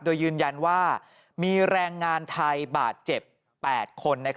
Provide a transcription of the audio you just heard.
โดยยืนยันว่ามีแรงงานไทยบาดเจ็บ๘คน